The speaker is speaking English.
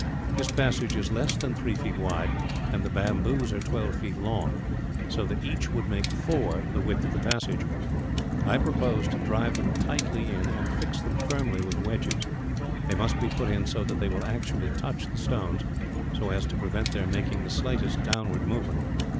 This passage is less than three feet wide, and the bamboos are twelve feet long; so that each would make four, the width of the passage. I propose to drive them tightly in, and fix them firmly with wedges. They must be put in so that they will actually touch the stones, so as to prevent their making the slightest downward movement.